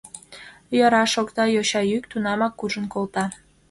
— Йӧра, — шокта йоча йӱк, тунамак куржын колта.